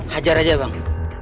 hajar aja bang